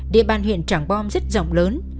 địa bàn huyện trạng bom rất rộng lớn